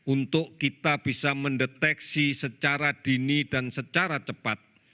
untuk kita bisa mendeteksi secara dini dan secara cepat